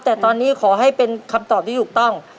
แต่ตอนนี้ขอให้เป็นคำตอบที่ถูกต้อง